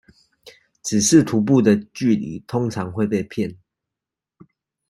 只是徒步的距離通常會被騙